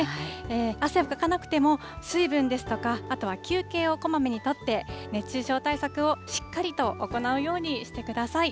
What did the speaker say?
汗をかかなくても、水分ですとか、あとは休憩をこまめに取って、熱中症対策をしっかりと行うようにしてください。